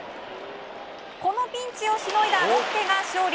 このピンチをしのいだロッテが勝利。